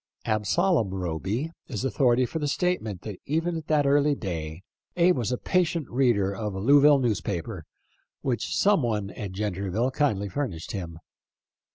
Absalom Roby is authority for the statement that even at that early day Abe was a patient reader of a Louisville newspaper, which some one at Gentryville kindly furnished him.